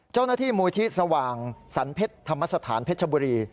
เจ้าหน้าที่มูลที่สว่างสรรเพชรธรรมสถานเพชรบุรี